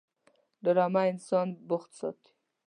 ډرامه انسان بوخت ساتي